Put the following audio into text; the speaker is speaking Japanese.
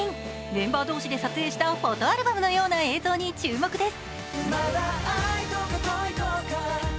メンバー同士で撮影したフォトアルバムのような映像に注目です。